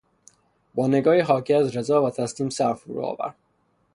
با نگاهی حاکی از رضا و تسلیم سر فرود آورد.